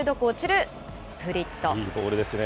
いいボールですね。